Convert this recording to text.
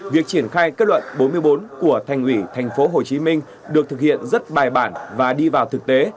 việc triển khai kết luận bốn mươi bốn của thành ủy tp hcm được thực hiện rất bài bản và đi vào thực tế